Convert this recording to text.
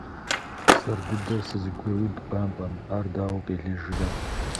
Сэр дыдэр сызэгуеуд бампӏэм, ар дауэ къелыжрэ.